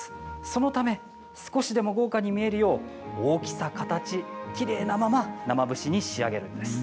そのため少しでも豪華に見えるよう大きさ、形、きれいなまま生節に仕上げるんです。